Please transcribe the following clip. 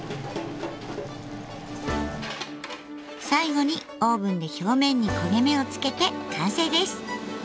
最後にオーブンで表面に焦げ目をつけて完成です！